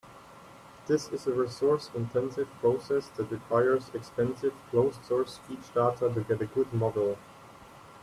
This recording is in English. This is a resource-intensive process that requires expensive closed-source speech data to get a good model.